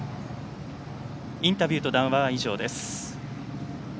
インタビューと談話は以上です。